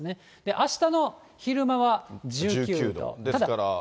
あしたの昼間は１９度。